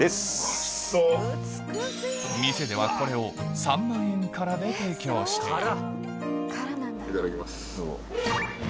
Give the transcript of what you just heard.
店ではこれを３万円からで提供しているいただきます。